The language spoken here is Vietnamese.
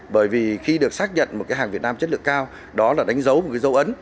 bởi vì khi được xác nhận một cái hàng việt nam chất lượng cao đó là đánh dấu một cái dấu ấn